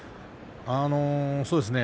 そうですね。